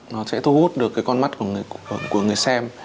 nó sẽ thu hút được cái con mắt của người xem